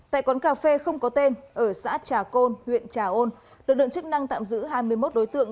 tại quán cà phê không có tên ở xã trà côn huyện trà ôn lực lượng chức năng tạm giữ hai mươi một đối tượng